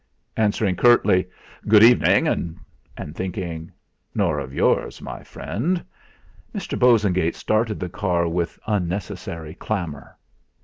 Answering curtly: "Good evening!" and thinking: 'Nor of yours, my friend!' Mr. Bosengate started the car with unnecessary clamour.